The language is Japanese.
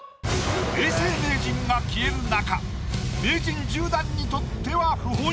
永世名人が消える中名人１０段にとっては不本意。